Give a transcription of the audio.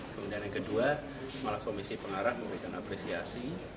kemudian yang kedua malah komisi pengarah memberikan apresiasi